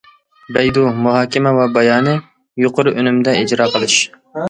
بەيدۇ «مۇھاكىمە ۋە بايانى» : يۇقىرى ئۈنۈمدە ئىجرا قىلىش.